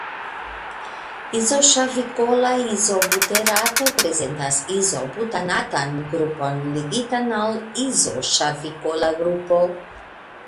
Izoŝavikola izobuterato prezentas izobutanatan grupon ligitan al izoŝavikola grupo.